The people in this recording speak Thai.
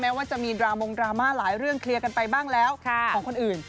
แม้ว่าจะมีดรามงค์หลายเรื่องเคลียร์ไปบ้างแล้วของคนอื่น